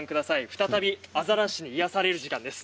再びアザラシに癒やされる時間です。